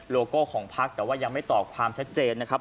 โก้ของพักแต่ว่ายังไม่ตอบความชัดเจนนะครับ